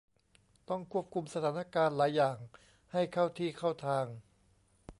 ต้องควบคุมสถานการณ์หลายอย่างให้เข้าที่เข้าทาง